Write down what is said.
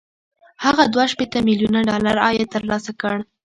هغه دوه شپېته ميليونه ډالر عاید ترلاسه کړ